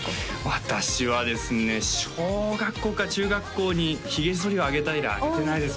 私はですね小学校か中学校にひげそりをあげた以来あげてないです